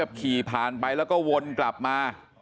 มันต้องการมาหาเรื่องมันจะมาแทงนะ